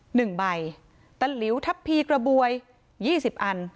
หนึ่งใบตะหลิวทัพพีกระบวยยี่สิบอัน